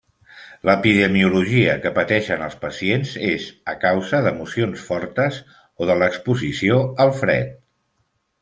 L'epidemiologia que pateixen els pacients és a causa d’emocions fortes o de l’exposició al fred.